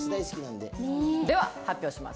では発表します